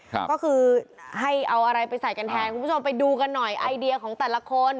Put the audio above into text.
ก็คือให้เอาอะไรไปใส่กันแทนคุณผู้ชมไปดูกันหน่อยไอเดียของแต่ละคน